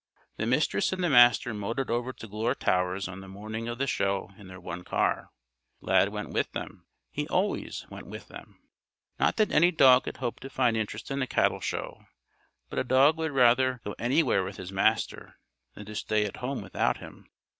The Mistress and the Master motored over to Glure Towers on the morning of the show in their one car. Lad went with them. He always went with them. Not that any dog could hope to find interest in a cattle show, but a dog would rather go anywhere with his Master than to stay at home without him.